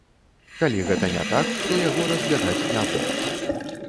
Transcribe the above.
Калі гэта не так, то яго разглядаць не будуць.